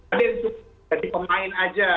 ada yang jadi pemain aja